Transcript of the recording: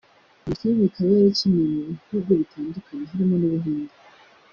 Iyi filime ikaba yarakiniwe mu bihugu bitandukanye harimo n’Ubuhinde